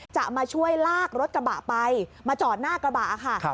จะมาช่วยลากรถกระบะไปมาจอดหน้ากระบะค่ะ